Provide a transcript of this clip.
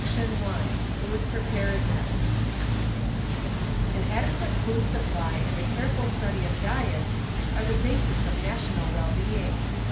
A46903:3 m 29 1917 Food Preparedness An adeqiiaU' food su{)ply and a careful study of diets arc the basis of national well being.